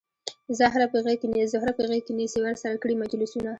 زهره په غیږ کې نیسي ورسره کړي مجلسونه